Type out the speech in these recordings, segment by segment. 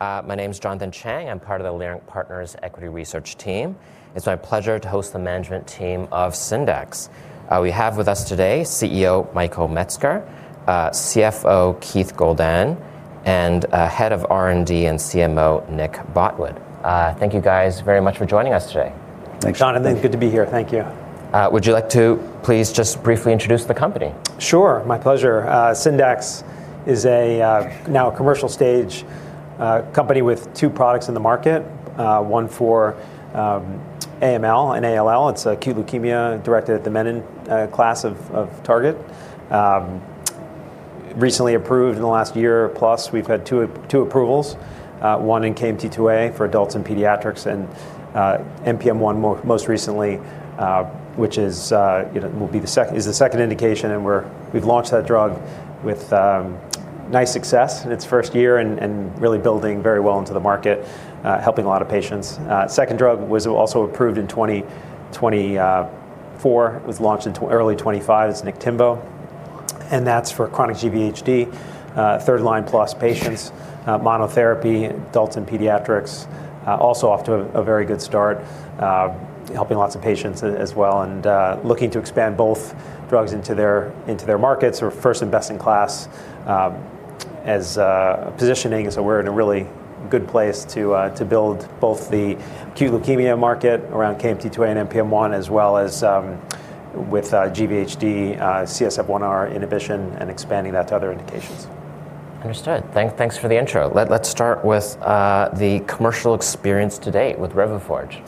My name's Jonathan Chang. I'm part of the Leerink Partners Equity Research team. It's my pleasure to host the management team of Syndax. We have with us today CEO Michael Metzger, CFO Keith Goldan, and Head of R&D and CMO Nick Botwood. Thank you guys very much for joining us today. Thanks, Jonathan. Thanks. Good to be here. Thank you. Would you like to please just briefly introduce the company? Sure. My pleasure. Syndax is a now commercial-stage company with two products in the market, one for AML and ALL. It's acute leukemia directed at the menin class of target. Recently approved in the last year plus, we've had two approvals, one in KMT2A for adults and pediatrics, and NPM1 most recently, which is, you know, is the second indication. We've launched that drug with nice success in its first year and really building very well into the market, helping a lot of patients. Second drug was also approved in 2024. It was launched in early 2025. It's Niktimvo, and that's for chronic GVHD, third line plus patients, monotherapy, adults and pediatrics. Off to a very good start, helping lots of patients as well, and looking to expand both drugs into their markets or first and best in class, as positioning. We're in a really good place to build both the acute leukemia market around KMT2A and NPM1, as well as with GVHD, CSF1R inhibition and expanding that to other indications. Understood. Thanks for the intro. Let's start with the commercial experience to date with Revuforj.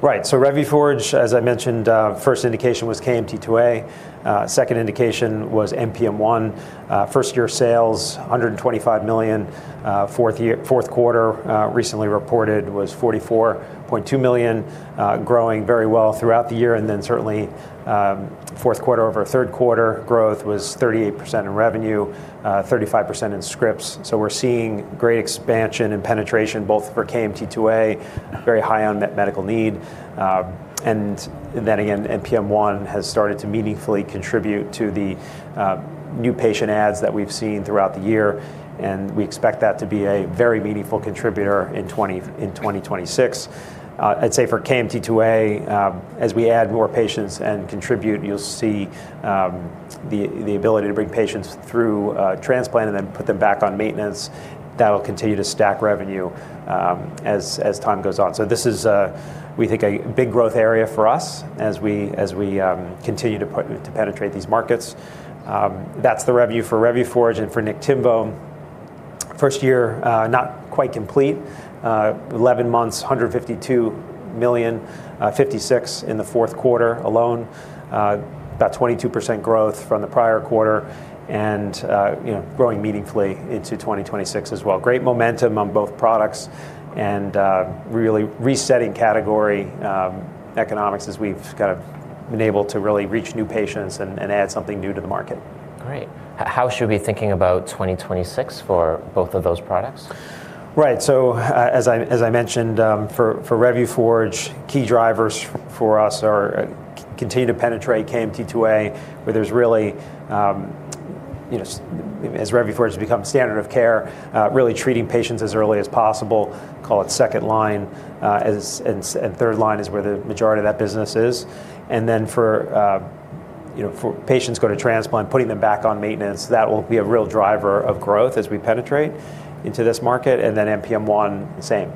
Right. Revuforj, as I mentioned, first indication was KMT2A, second indication was NPM1. First year sales, $125 million, fourth quarter recently reported was $44.2 million, growing very well throughout the year. Certainly, fourth quarter over third quarter growth was 38% in revenue, 35% in scripts. We're seeing great expansion and penetration both for KMT2A, very high on medical need. NPM1 has started to meaningfully contribute to the new patient adds that we've seen throughout the year, and we expect that to be a very meaningful contributor in 2026. I'd say for KMT2A, as we add more patients and contribute, you'll see the ability to bring patients through transplant and then put them back on maintenance. That will continue to stack revenue, as time goes on. This is, we think, a big growth area for us as we continue to penetrate these markets. That's the review for Revuforj and for Niktimvo. First year, not quite complete, 11 months, $152 million, $56 in the fourth quarter alone, about 22% growth from the prior quarter and, you know, growing meaningfully into 2026 as well. Great momentum on both products and really resetting category economics as we've kinda been able to really reach new patients and add something new to the market. Great. How should we be thinking about 2026 for both of those products? Right. As I mentioned, for Revuforj, key drivers for us are continue to penetrate KMT2A, where there's really you know, as Revuforj has become standard of care, really treating patients as early as possible, call it second line, and third line is where the majority of that business is. Then for you know, for patients going to transplant, putting them back on maintenance, that will be a real driver of growth as we penetrate into this market. Then NPM1, same,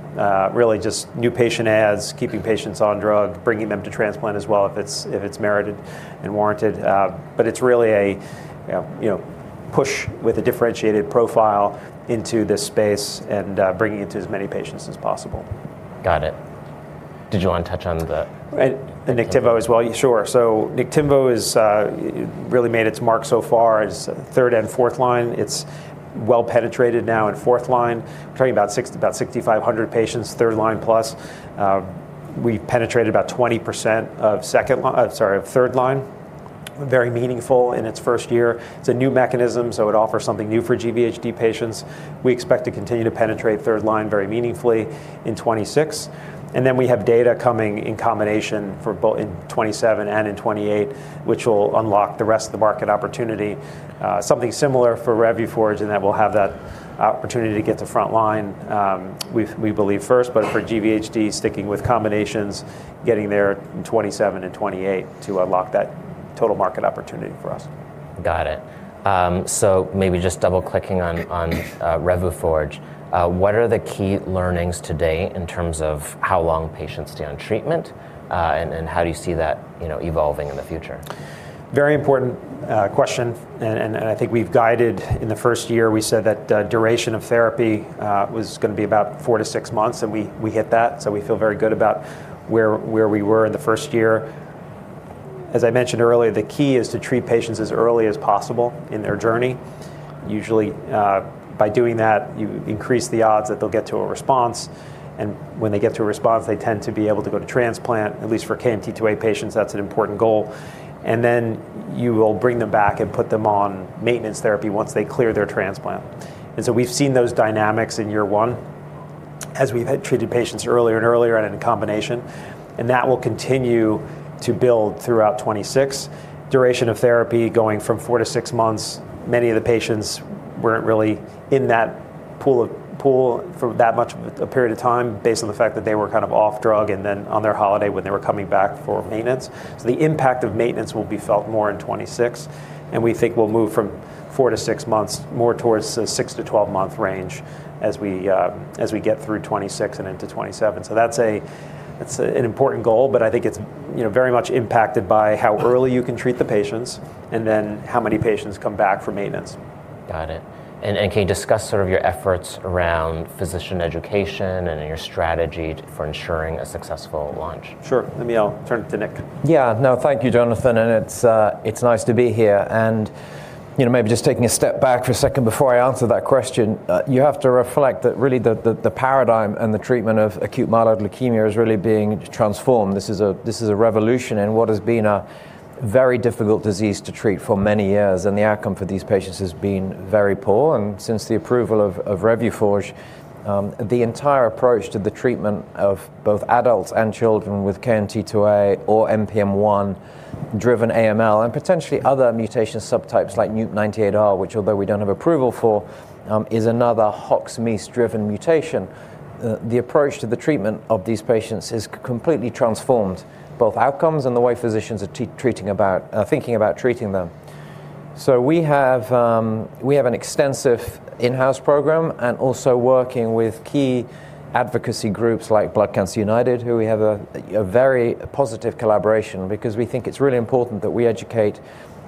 really just new patient adds, keeping patients on drug, bringing them to transplant as well if it's merited and warranted. It's really a you know push with a differentiated profile into this space and bringing it to as many patients as possible. Got it. Did you wanna touch on the? The Niktimvo as well? Sure. Niktimvo is really made its mark so far as third and fourth line. It's well penetrated now in fourth line. We're talking about 6,500 patients, third line plus. We penetrated about 20% of third line, very meaningful in its first year. It's a new mechanism, so it offers something new for GVHD patients. We expect to continue to penetrate third line very meaningfully in 2026. We have data coming in combination for both in 2027 and in 2028, which will unlock the rest of the market opportunity. Something similar for Revuforj, and that will have that opportunity to get to front line, we believe first, but for GVHD, sticking with combinations, getting there in 2027 and 2028 to unlock that total market opportunity for us. Got it. Maybe just double-clicking on Revuforj, what are the key learnings today in terms of how long patients stay on treatment, and how do you see that, you know, evolving in the future? Very important question. I think we've guided in the first year. We said that duration of therapy was gonna be about 4-6 months, and we hit that. We feel very good about where we were in the first year. As I mentioned earlier, the key is to treat patients as early as possible in their journey. Usually by doing that, you increase the odds that they'll get to a response, and when they get to a response, they tend to be able to go to transplant, at least for KMT2A patients. That's an important goal. Then you will bring them back and put them on maintenance therapy once they clear their transplant. We've seen those dynamics in year one. As we've had treated patients earlier and earlier and in combination, and that will continue to build throughout 2026. Duration of therapy going from 4-6 months, many of the patients weren't really in that pool for that much of a period of time based on the fact that they were kind of off drug and then on their holiday when they were coming back for maintenance. The impact of maintenance will be felt more in 2026, and we think we'll move from 4-6 months more towards the 6-12-month range as we as we get through 2026 and into 2027. That's an important goal, but I think it's, you know, very much impacted by how early you can treat the patients and then how many patients come back for maintenance. Got it. Can you discuss sort of your efforts around physician education and your strategy for ensuring a successful launch? Sure. I'll turn it to Nick. Yeah. No, thank you, Jonathan, and it's nice to be here. You know, maybe just taking a step back for a second before I answer that question, you have to reflect that really the paradigm and the treatment of acute myeloid leukemia is really being transformed. This is a revolution in what has been a very difficult disease to treat for many years, and the outcome for these patients has been very poor. Since the approval of Revuforj, the entire approach to the treatment of both adults and children with KMT2A or NPM1-driven AML and potentially other mutation subtypes like NUP98r, which although we don't have approval for, is another HOXA/MEIS1-driven mutation. The approach to the treatment of these patients has completely transformed both outcomes and the way physicians are thinking about treating them. We have an extensive in-house program and also working with key advocacy groups like Blood Cancer United, who we have a very positive collaboration because we think it's really important that we educate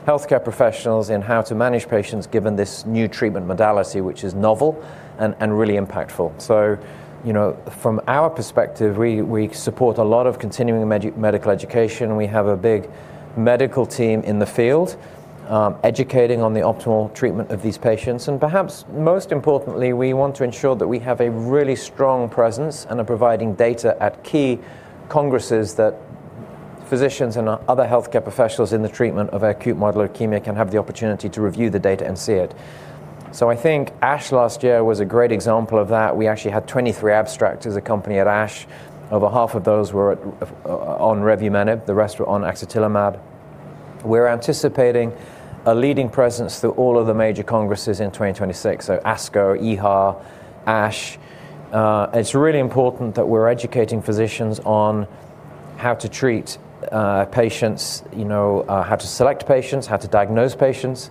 healthcare professionals in how to manage patients given this new treatment modality, which is novel and really impactful. You know, from our perspective, we support a lot of continuing medical education. We have a big medical team in the field educating on the optimal treatment of these patients. Perhaps most importantly, we want to ensure that we have a really strong presence and are providing data at key congresses that physicians and other healthcare professionals in the treatment of acute myeloid leukemia can have the opportunity to review the data and see it. I think ASH last year was a great example of that. We actually had 23 abstracts as a company at ASH. Over half of those were on revumenib. The rest were on axatilimab. We're anticipating a leading presence through all of the major congresses in 2026, so ASCO, EHA, ASH. It's really important that we're educating physicians on how to treat, patients, you know, how to select patients, how to diagnose patients,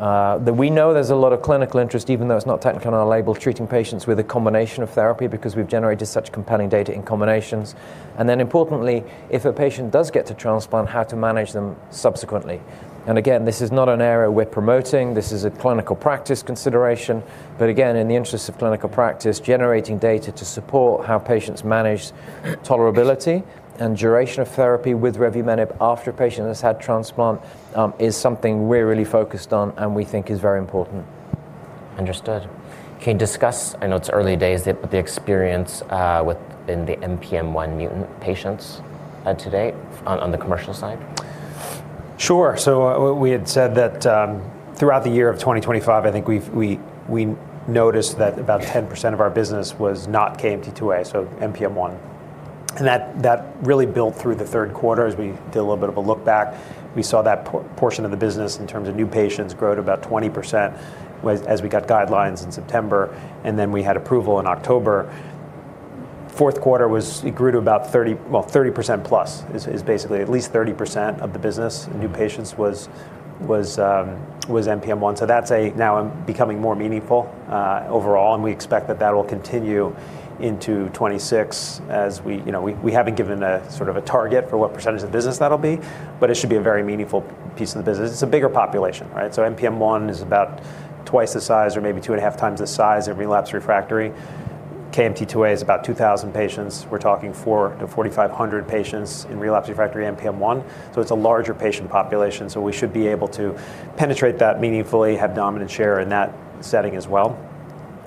that we know there's a lot of clinical interest, even though it's not technically on our label, treating patients with a combination of therapy because we've generated such compelling data in combinations. Importantly, if a patient does get to transplant, how to manage them subsequently. This is not an area we're promoting. This is a clinical practice consideration. In the interest of clinical practice, generating data to support how patients manage tolerability and duration of therapy with revumenib after a patient has had transplant, is something we're really focused on and we think is very important. Understood. Can you discuss, I know it's early days, the experience in the NPM1 mutant patients to date on the commercial side? Sure. We had said that throughout the year of 2025, I think we noticed that about 10% of our business was not KMT2A, so NPM1. That really built through the third quarter as we did a little bit of a look back. We saw that portion of the business in terms of new patients grow to about 20% as we got guidelines in September, and then we had approval in October. Fourth quarter was it grew to about 30%+. Well, 30% plus is basically at least 30% of the business. New patients was NPM1. That's now becoming more meaningful overall, and we expect that will continue into 2026 as we haven't given a sort of a target for what percentage of the business that'll be, but it should be a very meaningful piece of the business. It's a bigger population, right? NPM1 is about twice the size or maybe two and a half times the size of relapse refractory. KMT2A is about 2,000 patients. We're talking 4,000-4,500 patients in relapse refractory NPM1. It's a larger patient population, so we should be able to penetrate that meaningfully, have dominant share in that setting as well.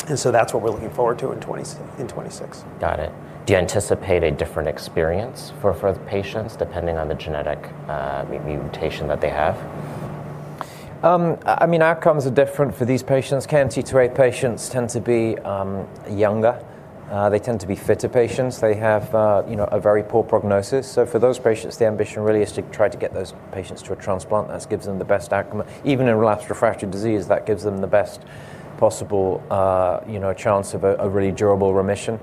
That's what we're looking forward to in 2026. Got it. Do you anticipate a different experience for the patients depending on the genetic mutation that they have? I mean, outcomes are different for these patients. KMT2A patients tend to be younger. They tend to be fitter patients. They have, you know, a very poor prognosis. For those patients, the ambition really is to try to get those patients to a transplant. That gives them the best outcome. Even in relapsed refractory disease, that gives them the best possible, you know, chance of a really durable remission.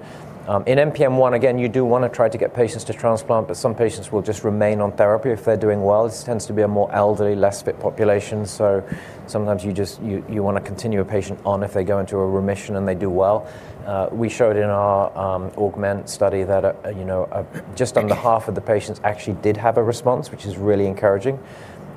In NPM1, again, you do wanna try to get patients to transplant, but some patients will just remain on therapy if they're doing well. This tends to be a more elderly, less fit population, so sometimes you wanna continue a patient on if they go into a remission and they do well. We showed in our AUGMENT-101 study that, you know, just under half of the patients actually did have a response, which is really encouraging.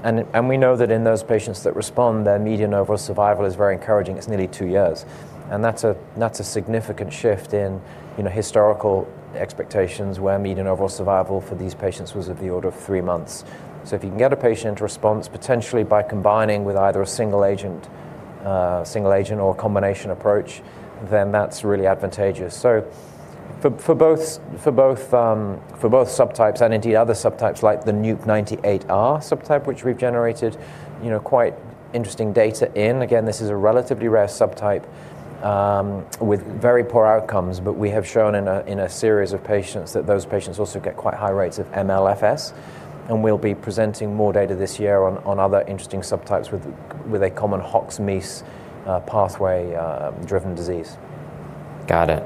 We know that in those patients that respond, their median overall survival is very encouraging. It's nearly 2 years. That's a significant shift in, you know, historical expectations where median overall survival for these patients was of the order of 3 months. If you can get a patient response potentially by combining with either a single agent or a combination approach, then that's really advantageous. For both subtypes and indeed other subtypes like the NUP98r subtype, which we've generated, you know, quite interesting data in. Again, this is a relatively rare subtype with very poor outcomes. We have shown in a series of patients that those patients also get quite high rates of MLFS, and we'll be presenting more data this year on other interesting subtypes with a common HOX/MEIS1 pathway driven disease. Got it.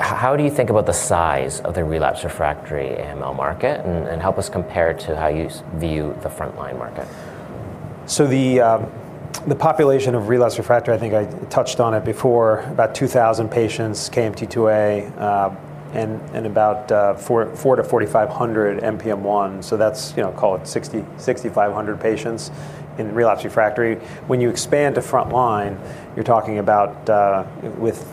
How do you think about the size of the relapse refractory AML market and help us compare it to how you view the frontline market? The population of relapse refractory, I think I touched on it before, about 2,000 patients KMT2A, and about 4,000-4,500 NPM1. That's, you know, call it 6,000-6,500 patients in relapse refractory. When you expand to frontline, you're talking about with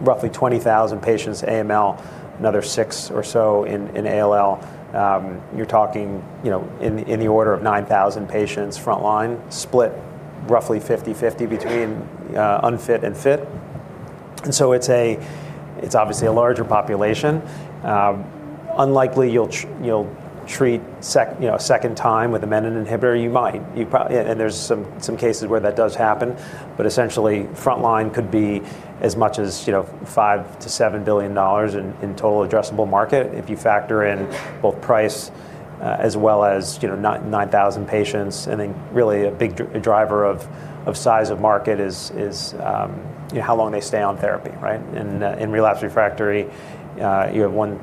roughly 20,000 patients AML, another 6 or so in ALL. You're talking, you know, in the order of 9,000 patients frontline split roughly 50-50 between unfit and fit. It's obviously a larger population. Unlikely you'll treat you know, a second time with a menin inhibitor. You might. Yeah, and there's some cases where that does happen. Essentially frontline could be as much as, you know, $5 billion-$7 billion in total addressable market if you factor in both price, as well as, you know, 9,000 patients. Then really a big driver of size of market is, you know, how long they stay on therapy, right? Mm-hmm. In relapse refractory, you have one,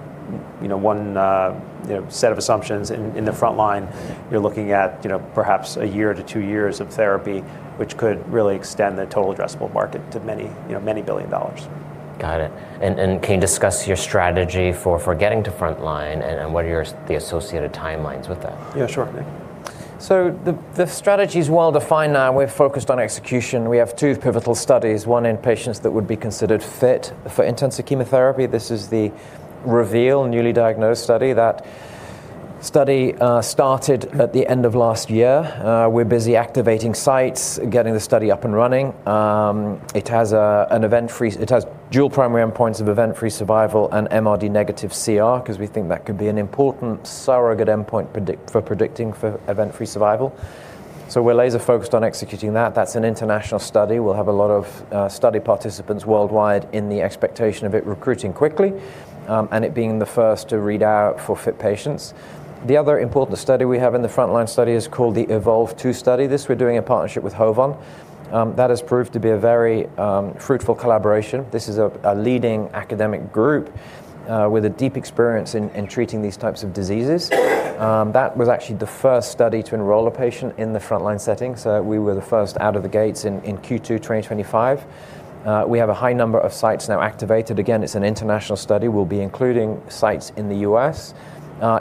you know, set of assumptions. In the frontline, you're looking at, you know, perhaps a year to two years of therapy, which could really extend the total addressable market to many, you know, billion dollars. Got it. Can you discuss your strategy for getting to frontline and what are the associated timelines with that? Yeah, sure. The strategy is well-defined now. We're focused on execution. We have two pivotal studies, one in patients that would be considered fit for intensive chemotherapy. This is the REVEAL newly diagnosed study. That study started at the end of last year. We're busy activating sites, getting the study up and running. It has dual primary endpoints of event-free survival and MRD negative CR, 'cause we think that could be an important surrogate endpoint for predicting event-free survival. We're laser focused on executing that. That's an international study. We'll have a lot of study participants worldwide in the expectation of it recruiting quickly, and it being the first to read out for fit patients. The other important study we have in the frontline study is called the EVOLVE-2 study. This we're doing in partnership with HOVON. That has proved to be a very fruitful collaboration. This is a leading academic group with a deep experience in treating these types of diseases. That was actually the first study to enroll a patient in the frontline setting, so we were the first out of the gates in Q2 2025. We have a high number of sites now activated. Again, it's an international study. We'll be including sites in the U.S.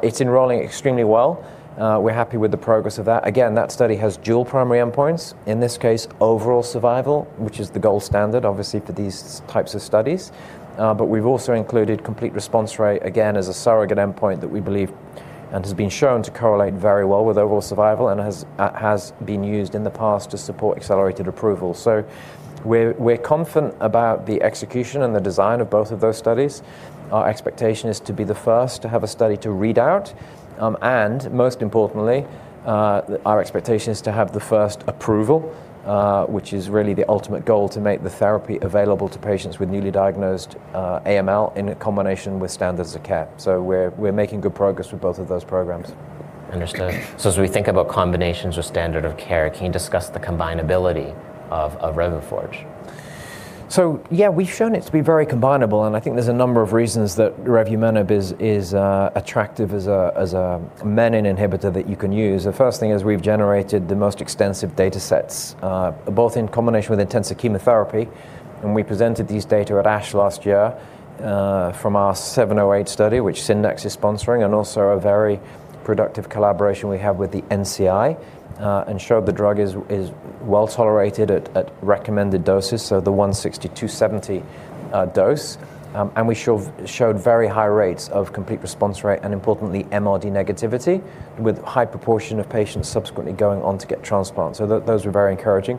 It's enrolling extremely well. We're happy with the progress of that. Again, that study has dual primary endpoints, in this case overall survival, which is the gold standard obviously for these types of studies. We've also included complete response rate again as a surrogate endpoint that we believe and has been shown to correlate very well with overall survival and has been used in the past to support accelerated approval. We're confident about the execution and the design of both of those studies. Our expectation is to be the first to have a study to read out. Most importantly, our expectation is to have the first approval, which is really the ultimate goal to make the therapy available to patients with newly diagnosed AML in combination with standard of care. We're making good progress with both of those programs. Understood. As we think about combinations with standard of care, can you discuss the combinability of Revuforj? Yeah, we've shown it to be very combinable, and I think there's a number of reasons that revumenib is attractive as a menin inhibitor that you can use. The first thing is we've generated the most extensive data sets both in combination with intensive chemotherapy, and we presented these data at ASH last year from our 708 study, which Syndax is sponsoring, and also a very productive collaboration we have with the NCI, and showed the drug is well-tolerated at recommended doses, the 160, 270 dose. We showed very high rates of complete response rate and importantly MRD negativity with high proportion of patients subsequently going on to get transplants. Those were very encouraging.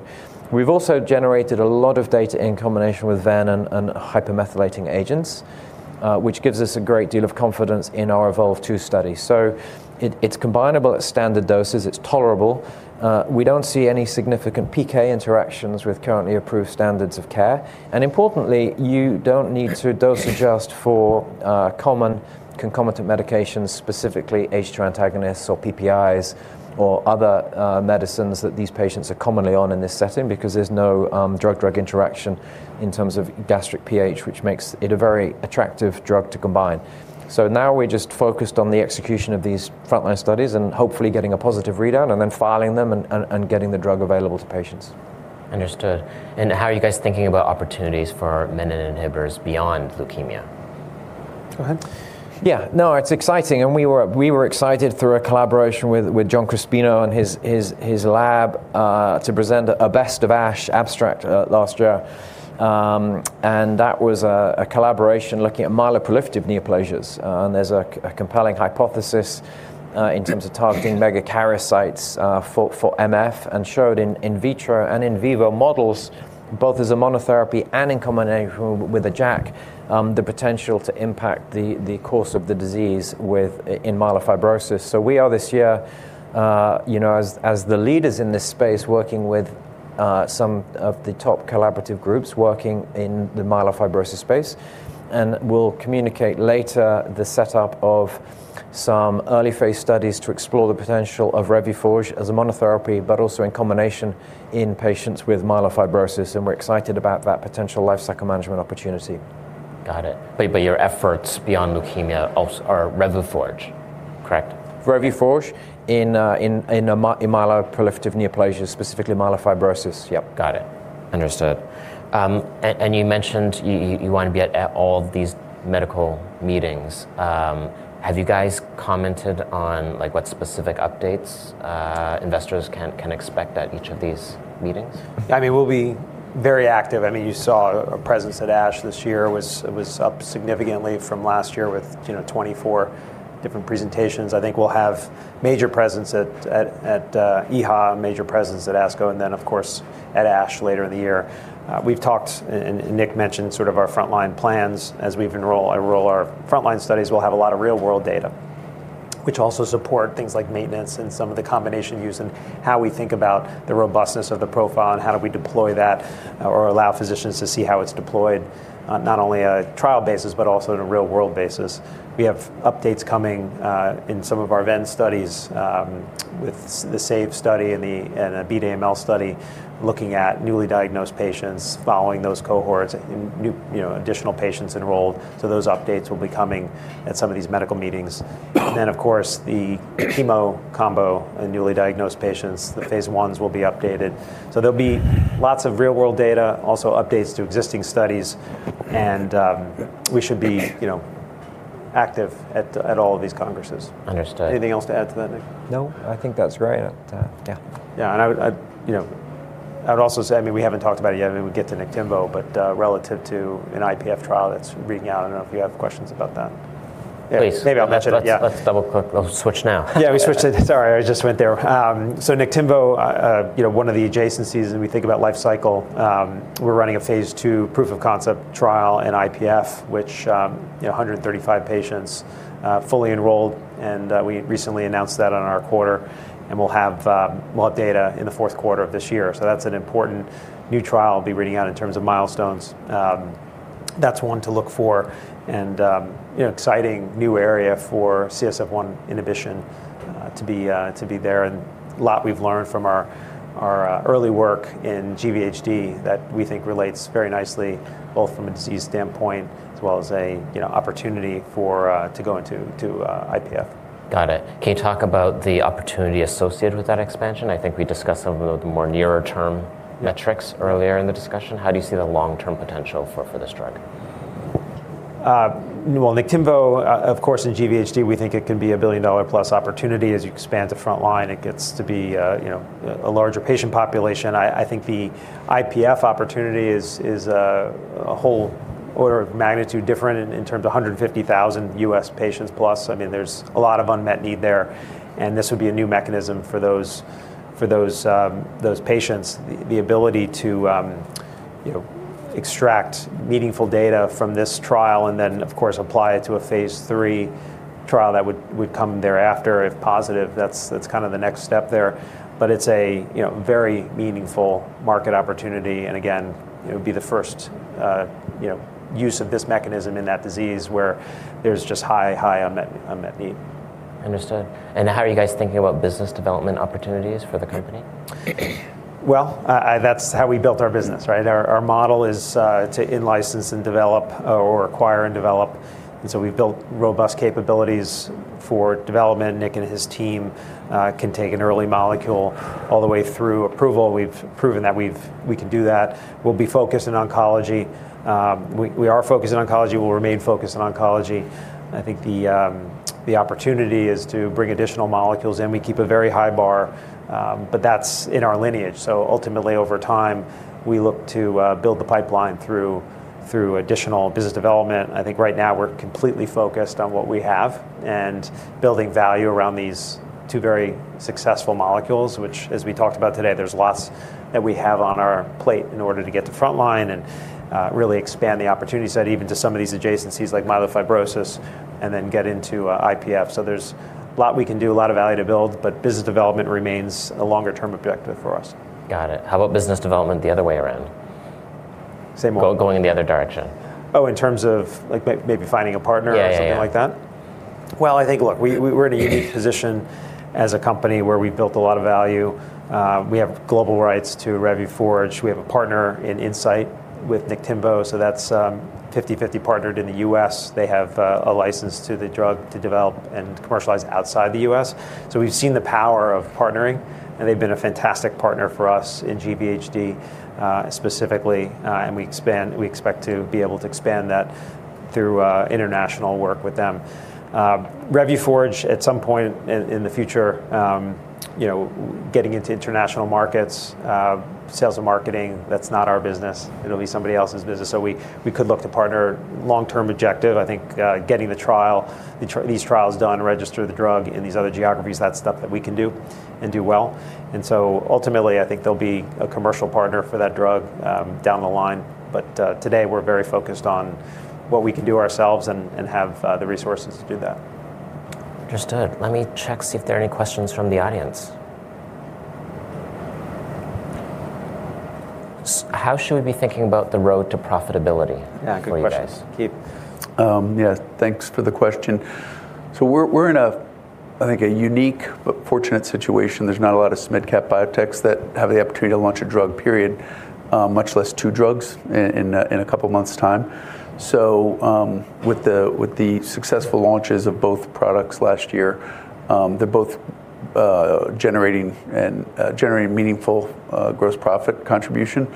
We've also generated a lot of data in combination with ven and hypomethylating agents, which gives us a great deal of confidence in our EVOLVE-2 study. It's combinable at standard doses. It's tolerable. We don't see any significant PK interactions with currently approved standards of care. Importantly, you don't need to dose adjust for common concomitant medications, specifically H2 antagonists or PPIs or other medicines that these patients are commonly on in this setting because there's no drug-drug interaction in terms of gastric pH, which makes it a very attractive drug to combine. Now we're just focused on the execution of these frontline studies and hopefully getting a positive readout and then filing them and getting the drug available to patients. Understood. How are you guys thinking about opportunities for Menin inhibitors beyond leukemia? Go ahead. Yeah, no, it's exciting, and we were excited through our collaboration with John Crispino and his lab to present a best of ASH abstract last year. That was a collaboration looking at myeloproliferative neoplasms, and there's a compelling hypothesis in terms of targeting megakaryocytes for MF, and showed in vitro and in vivo models, both as a monotherapy and in combination with a JAK, the potential to impact the course of the disease within myelofibrosis. We are this year, you know, as the leaders in this space, working with some of the top collaborative groups working in the myelofibrosis space, and we'll communicate later the setup of some early phase studies to explore the potential of Revuforj as a monotherapy, but also in combination in patients with myelofibrosis, and we're excited about that potential life cycle management opportunity. Got it. Your efforts beyond leukemia also are Revuforj, correct? Revuforj in myeloproliferative neoplasms, specifically myelofibrosis, yep. Got it. Understood. You mentioned you wanna be at all of these medical meetings. Have you guys commented on, like, what specific updates investors can expect at each of these meetings? I mean, we'll be very active. I mean, you saw our presence at ASH this year was up significantly from last year with, you know, 24 different presentations. I think we'll have major presence at EHA, major presence at ASCO, and then of course, at ASH later in the year. We've talked and Nick mentioned sort of our frontline plans as we enroll our frontline studies. We'll have a lot of real world data, which also support things like maintenance and some of the combination use and how we think about the robustness of the profile and how do we deploy that or allow physicians to see how it's deployed, not only at a trial basis, but also on a real world basis. We have updates coming in some of our ven studies with the SAVE study and a Beat AML study looking at newly diagnosed patients following those cohorts and new additional patients enrolled. Those updates will be coming at some of these medical meetings. Of course, the chemo combo in newly diagnosed patients, the phase Is will be updated. There'll be lots of real world data, also updates to existing studies and we should be active at all of these congresses. Understood. Anything else to add to that, Nick? No, I think that's great. Yeah. Yeah, you know, I would also say, I mean, we haven't talked about it yet, and we get to Niktimvo, but, relative to an IPF trial that's reading out. I don't know if you have questions about that. Please. Yeah, maybe I'll mention it. Yeah. Let's double click. We'll switch now. Sorry, I just went there. Niktimvo, you know, one of the adjacencies when we think about life cycle, we're running a phase II proof of concept trial in IPF, which, you know, 135 patients, fully enrolled, and we recently announced that on our quarter, and we'll have data in the fourth quarter of this year. That's an important new trial will be reading out in terms of milestones. That's one to look for and, you know, exciting new area for CSF1 inhibition, to be there and a lot we've learned from our early work in GVHD that we think relates very nicely both from a disease standpoint as well as a, you know, opportunity for to go into IPF. Got it. Can you talk about the opportunity associated with that expansion? I think we discussed some of the more near-term metrics earlier in the discussion. How do you see the long-term potential for this drug? Niktimvo, of course, in GVHD, we think it can be a billion-dollar-plus opportunity. As you expand to frontline, it gets to be a larger patient population. I think the IPF opportunity is a whole order of magnitude different in terms of 150,000 U.S. patients plus. I mean, there's a lot of unmet need there, and this would be a new mechanism for those patients. The ability to extract meaningful data from this trial and then, of course, apply it to a phase III trial that would come thereafter if positive, that's kind of the next step there. It's a, you know, very meaningful market opportunity and again, it would be the first, you know, use of this mechanism in that disease where there's just high unmet need. Understood. How are you guys thinking about business development opportunities for the company? That's how we built our business, right? Our model is to in-license and develop or acquire and develop. We've built robust capabilities for development. Nick and his team can take an early molecule all the way through approval. We've proven that we can do that. We'll be focused on oncology. We are focused on oncology. We'll remain focused on oncology. I think the opportunity is to bring additional molecules in. We keep a very high bar, but that's in our lineage. Ultimately, over time, we look to build the pipeline through additional business development. I think right now we're completely focused on what we have and building value around these two very successful molecules, which as we talked about today, there's lots that we have on our plate in order to get to frontline and really expand the opportunity set even to some of these adjacencies like myelofibrosis and then get into IPF. There's a lot we can do, a lot of value to build, but business development remains a longer term objective for us. Got it. How about business development the other way around? Same going in the other direction. Oh, in terms of, like, maybe finding a partner. Yeah, yeah or something like that? Well, I think, look, we're in a unique position as a company where we've built a lot of value. We have global rights to Revuforj. We have a partner in Incyte with Niktimvo, so that's 50/50 partnered in the U.S. They have a license to the drug to develop and commercialize outside the U.S. We've seen the power of partnering, and they've been a fantastic partner for us in GVHD specifically. We expect to be able to expand that through international work with them. Revuforj at some point in the future, you know, getting into international markets, sales and marketing, that's not our business. It'll be somebody else's business. We could look to partner long-term objective. I think getting these trials done, register the drug in these other geographies, that's stuff that we can do and do well. Ultimately, I think there'll be a commercial partner for that drug down the line. Today we're very focused on what we can do ourselves and have the resources to do that. Understood. Let me check, see if there are any questions from the audience. How should we be thinking about the road to profitability? Yeah, good question. for you guys? Keith. Yeah. Thanks for the question. We're in a, I think, a unique but fortunate situation. There's not a lot of mid-cap biotechs that have the opportunity to launch a drug, period, much less two drugs in a couple months' time. With the successful launches of both products last year, they're both generating meaningful gross profit contribution,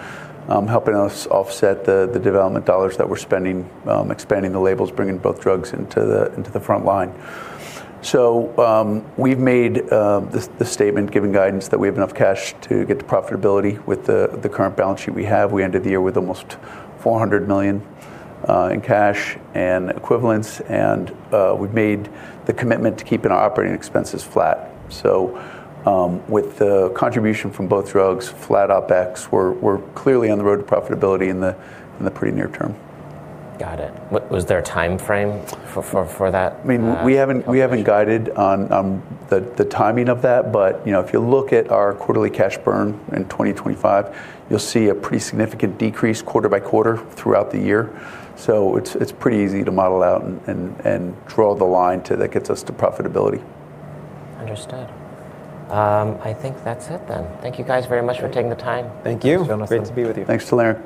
helping us offset the development dollars that we're spending, expanding the labels, bringing both drugs into the front line. We've made the statement given guidance that we have enough cash to get to profitability with the current balance sheet we have. We ended the year with almost $400 million in cash and equivalents, and we've made the commitment to keeping our operating expenses flat. With the contribution from both drugs, flat OpEx, we're clearly on the road to profitability in the pretty near term. Got it. Was there a timeframe for that? I mean, we haven't guided on the timing of that, but you know, if you look at our quarterly cash burn in 2025, you'll see a pretty significant decrease quarter by quarter throughout the year. It's pretty easy to model out and draw the line to that gets us to profitability. Understood. I think that's it then. Thank you guys very much for taking the time. Thank you. Thanks, Jonathan. Great to be with you. Thanks to Leerink.